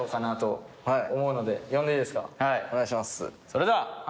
それでは。